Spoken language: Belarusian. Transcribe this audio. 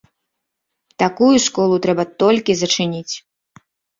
Такую школу трэба толькі зачыніць.